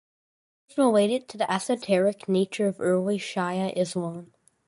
Others relate it to the esoteric nature of early Shia Islam.